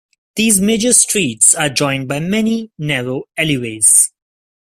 These major streets are joined by many narrow alleyways.